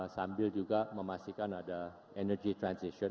sambil juga memastikan ada energy transition